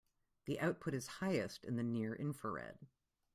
The output is highest in the near infrared.